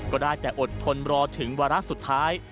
ก็ได้แต่อดทนรอถึงวาระสุดท้าย